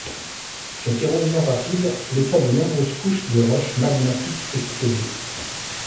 Cette érosion rapide laissa de nombreuses couches de roches magmatiques exposées.